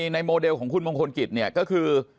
โมเดลของคุณมงคลกิจเนี่ยก็คือ